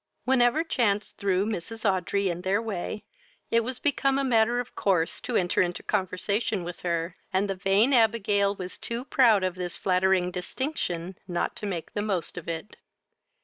Whenever chance threw Mrs. Audrey in their way, it was become a matter of course to enter into conversation with her, and the vain Abigail was too proud of this flattering distinction not to make the most of it.